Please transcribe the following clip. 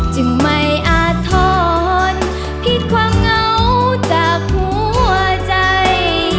จึงไม่อาทรผิดความเหงาจากหัวใจ